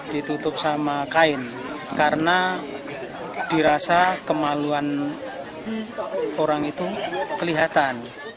ditutup sama kain karena dirasa kemaluan orang itu kelihatan